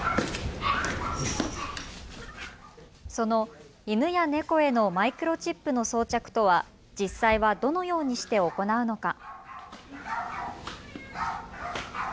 その犬や猫へのマイクロチップの装着とは実際はどのようにして行うのか。